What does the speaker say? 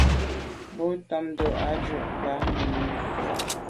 Bo tamtô à jù à b’a nunenùne.